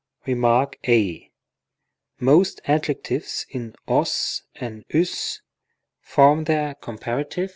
Rem. a. Most adjectives in os and vs form their comparative and * The T.